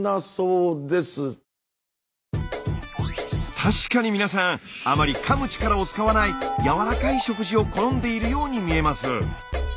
確かに皆さんあまりかむ力を使わないやわらかい食事を好んでいるように見えます。